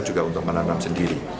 juga untuk menanam sendiri